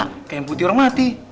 kayak yang putih orang mati